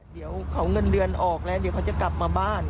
เดี๋ยวเขาเงินเดือนออกแล้วเดี๋ยวเขาจะกลับมาบ้าน